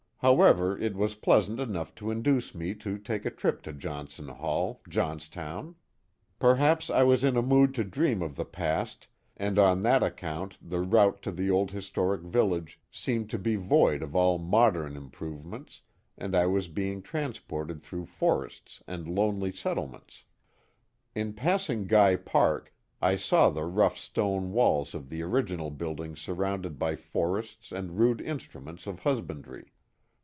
However, it was pleasant enough to induce me to take a trip to Johnson Hall, Johnstown. Perhaps I was in a mood to dream of the past Johnstown, New York 197 and on that account the route to the old historic village seemed to be void of all modern improvements, and I was be ing transported through forests and lonely settlements. In passing Guy Park I saw the rough stone walls of the original building surrounded by forests and rude instruments of husbandry.